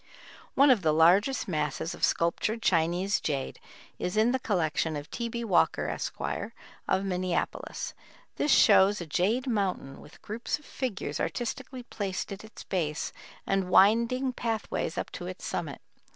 One of the largest masses of sculptured Chinese jade is in the collection of T. B. Walker, Esq., of Minneapolis. This shows a jade mountain, with groups of figures artistically placed at its base, and winding pathways up to its summit.